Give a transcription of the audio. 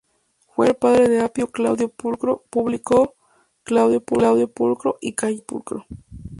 Fue el padre de Apio Claudio Pulcro, Publio Claudio Pulcro y Cayo Claudio Pulcro.